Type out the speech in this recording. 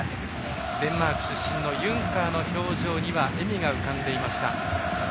デンマーク出身のユンカーの表情には笑みが浮かんでいました。